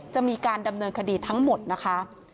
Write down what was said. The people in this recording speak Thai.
จะมีการดำเนินคดีทั้งหมดนะคะ